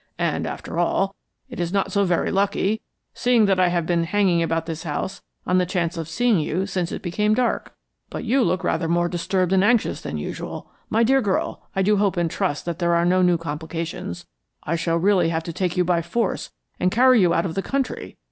"And, after all, it is not so very lucky, seeing that I have been hanging about this house on the chance of seeing you since it became dark. But you look rather more disturbed and anxious than usual. My dear girl, I do hope and trust that there are no new complications. I shall really have to take you by force and carry you out of the country.